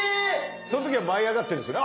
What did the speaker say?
その時は舞い上がってるんですよね